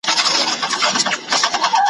ما چي له طلا سره تللې اوس یې نه لرم ,